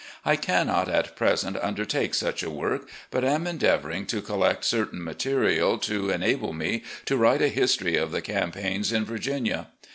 I cannot, at present, undertake such a work, but am endeavouring to collect certain material to enable me to write a history of the campaigns in Virginia.